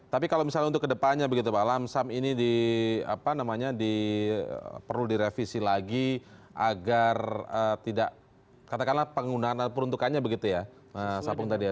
tapi kalau misalnya untuk kedepannya pak lamsam ini perlu direvisi lagi agar tidak katakanlah penggunaan peruntukannya begitu ya